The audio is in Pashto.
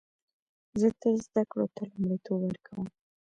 زه تل زده کړو ته لومړیتوب ورکوم